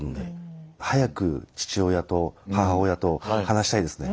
早く父親と母親と話したいですね。